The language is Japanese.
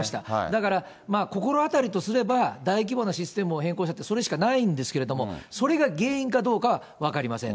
だから心当たりとすれば、大規模なシステムを変更したって、それしかないんですけれども、それが原因かどうかは分かりません。